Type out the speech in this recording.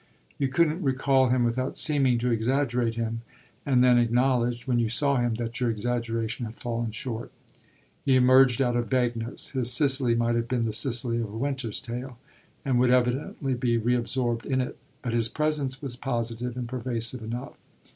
You couldn't recall him without seeming to exaggerate him, and then acknowledged, when you saw him, that your exaggeration had fallen short. He emerged out of vagueness his Sicily might have been the Sicily of A Winter's Tale and would evidently be reabsorbed in it; but his presence was positive and pervasive enough.